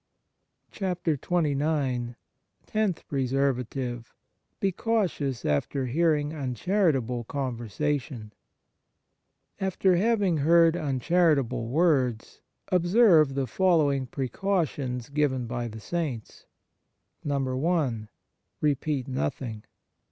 68 XXIX TENTH PRESERVATIVE Be cautious after hearing uncharitable con versation AFTER having heard uncharitable words, observe the following precautions given by the Saints : 1. Repeat nothing.